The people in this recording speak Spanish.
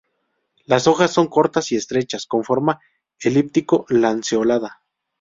Las hojas son cortas y estrechas, con forma elíptico-lanceolada.